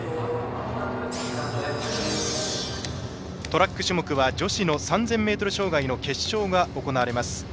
トラック種目は女子の３０００ｍ障害の決勝が行われます。